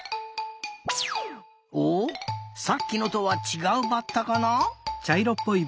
おっさっきのとはちがうバッタかな？